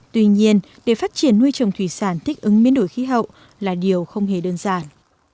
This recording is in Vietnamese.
tuy nhiên để phát triển nuôi trồng thủy sản thích ứng biến đổi khí hậu là điều không hề đơn giản